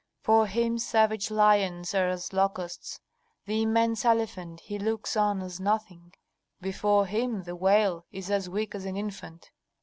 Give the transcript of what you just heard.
"For Him savage lions are as locusts, the immense elephant He looks on as nothing, before Him the whale is as weak as an infant.